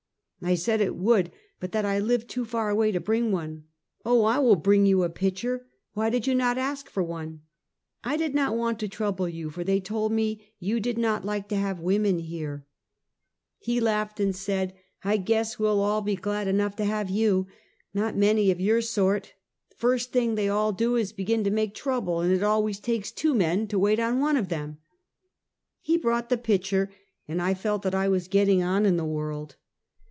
I said it would, but that I lived too far away to bring one. "Oh! I will bring you a pitcher! Why did you not ask for one?" " I did not want to trouble you, for they told me you did not like to have women here." 244 Half a Centukt. He langlied, and said: "I guess we'll all be glad enongli to have you! I*Tot many of your sort. First thing tliev all do is to begin to make trouble, and it always takes two men to wait on one of them." He brought the pitcher, and I felt that I was getting on in the world.